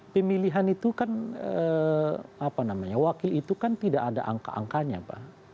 pemilihan itu kan apa namanya wakil itu kan tidak ada angka angkanya pak